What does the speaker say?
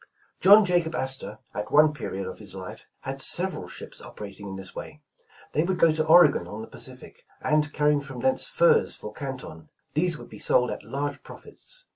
"John Jacob Astor, at one period of his life, had sev eral ships operating in this way. They would go to Oregon on the Pacific, and carry from thence furs for Canton. These would be sold at large profits.